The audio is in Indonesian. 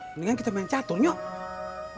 mendingan kita main catur yuk